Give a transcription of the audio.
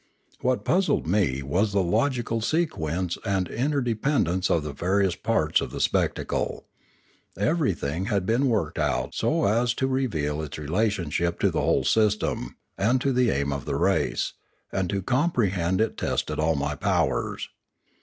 What puzzled me was the logical sequence or interde pendence of the various parts of the spectacle. Every thing had been worked out so as to reveal its relationship to the whole system and to the aim of the race, and to comprehend it tested all my powers.